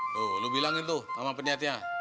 duh lu bilangin tuh sama penyatanya